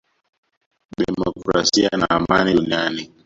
demokrasia na amani duniani